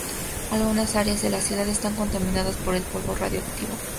Algunas áreas de la ciudad están contaminadas por el polvo radioactivo.